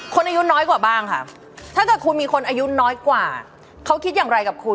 อายุน้อยกว่าบ้างค่ะถ้าเกิดคุณมีคนอายุน้อยกว่าเขาคิดอย่างไรกับคุณ